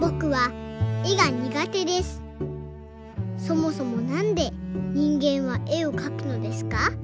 そもそもなんで人間は絵をかくのですか？